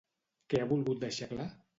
Què ha volgut deixar clar?